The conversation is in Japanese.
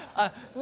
何？